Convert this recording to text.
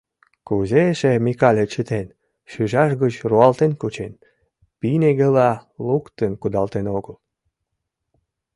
Кузе эше Микале чытен, шӱшаж гыч руалтен кучен, пинегыла луктын кудалтен огыл.